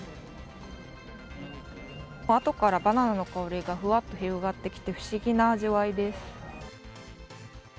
あとからバナナの香りがふわっと広がってきて不思議な味わいです。